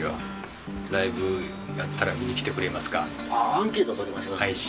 アンケート取りましょう。